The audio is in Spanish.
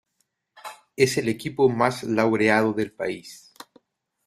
Es el equipo más laureado del país.